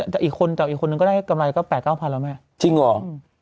แต่อีกคนจับอีกคนนึงก็ได้กำไรก็๘๙๐๐แล้วแม่จริงเหรอ